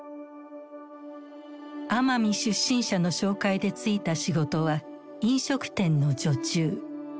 奄美出身者の紹介で就いた仕事は飲食店の女中。